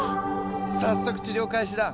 早速治療開始だ。